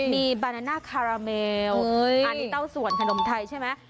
มีบานาน่าคาราเมลอันนี้เต้าส่วนขนมไทยใช่ไหม